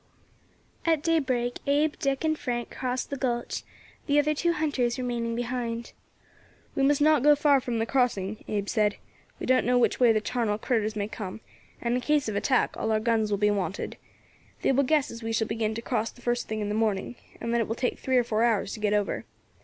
At daybreak, Abe, Dick, and Frank crossed the gulch, the other two hunters remaining behind. "We must not go far from the crossing," Abe said. "We don't know which way the tarnal critters may come, and in case of attack, all our guns will be wanted. They will guess as we shall begin to cross the first thing in the morning, and that it will take three or four hours to get over.